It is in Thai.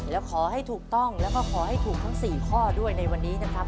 แล้วขอให้ถูกต้องแล้วก็ขอให้ถูกทั้ง๔ข้อด้วยในวันนี้นะครับ